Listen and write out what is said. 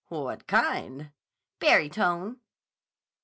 "What kind?" "Barytone."